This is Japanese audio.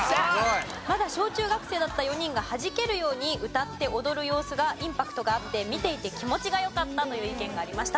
まだ小中学生だった４人がはじけるように歌って踊る様子がインパクトがあって見ていて気持ちがよかったという意見がありました。